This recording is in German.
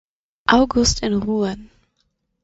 August in Rouen.